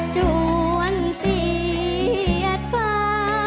จวนเสียดฟ้า